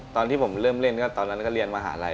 ตอนที่ผมเริ่มเล่นก็ตอนนั้นก็เรียนมหาลัย